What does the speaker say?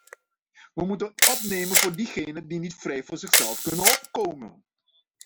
Wij moeten het opnemen voor diegenen die niet vrij voor zichzelf kunnen opkomen.